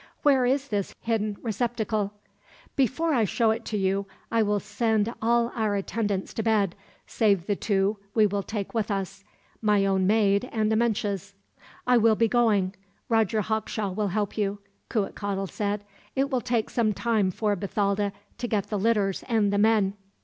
Where is this hidden receptacle?" "Before I show it you, I will send all our attendants to bed, save the two we will take with us my own maid, and Amenche's." "I will be going. Roger Hawkshaw will help you," Cuitcatl said. "It will take some time for Bathalda to get the litters and the men.